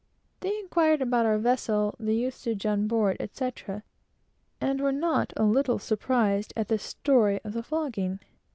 They inquired about our vessel, the usage, etc., and were not a little surprised at the story of the flogging.